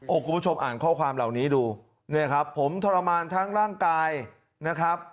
คุณผู้ชมอ่านข้อความเหล่านี้ดูเนี่ยครับผมทรมานทั้งร่างกายนะครับ